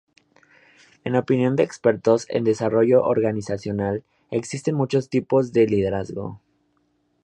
En opinión de expertos en Desarrollo Organizacional, existen muchos tipos de liderazgo.